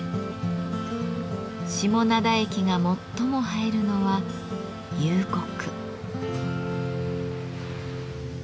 下灘駅が最も映えるのは夕刻。